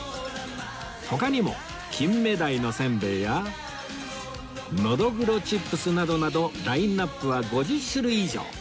他にも金目鯛のせんべいやのどぐろチップスなどなどラインアップは５０種類以上